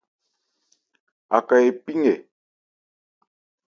Aka epí nkɛ.